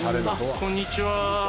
こんにちは。